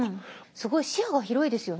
すごい視野が広いですよね。